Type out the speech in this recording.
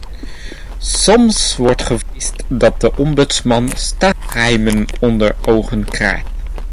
Soms wordt gevreesd dat de ombudsman staatsgeheimen onder ogen krijgt.